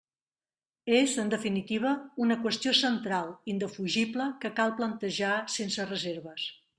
És, en definitiva, una qüestió central, indefugible, que cal plantejar sense reserves.